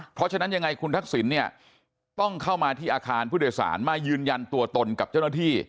เพราะฉะนั้นยังไงคุณทักษิณเนี่ยต้องเข้ามาที่อาคารผู้โดยสารมายืนยันตัวตนกับเจ้าหน้าที่